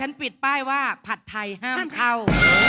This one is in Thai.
ปิดป้ายว่าผัดไทยห้ามเข้า